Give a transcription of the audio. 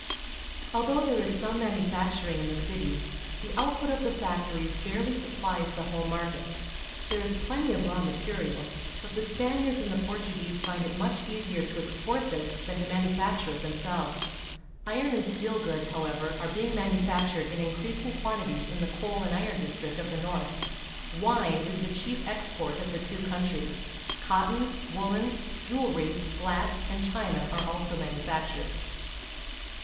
Although there is some manufacturing in the cities, the output of the factories barely supplies the home market. There is plenty of raw material, but the Spaniards and the Portuguese find it much easier to export this than to manufacture it themselves. Iron and sto"! ;;i"'il , liiiw (;\'(M , ;i I".' bcinsi: manufactured Stripping Bark from the Cork oak, Portugal in increasing quantities in the coal and iron district of the north. Wine is the chief export of the two countries. Cottons, woollens, jewel lery, glass, and china are also manufactured.